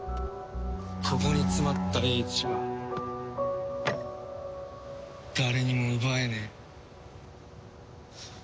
ここに詰まった叡智は誰にも奪えねえ。